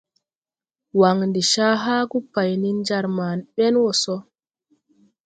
Wan de ca haagu pāy nen jar ma ni bɛn wɔ so.